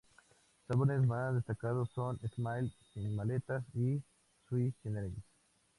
Sus álbumes más destacados son "Smile", "Sin maletas" y "Sui Generis".